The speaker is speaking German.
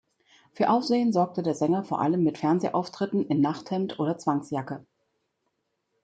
Für Aufsehen sorgte der Sänger vor allem mit Fernsehauftritten in Nachthemd oder Zwangsjacke.